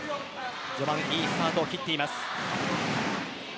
序盤いいスタートを切っています。